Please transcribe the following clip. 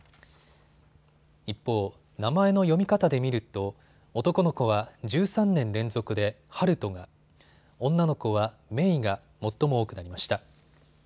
一方、名前の読み方で見ると男の子は１３年連続で、はるとが、女の子は、めいが最も多くなりました。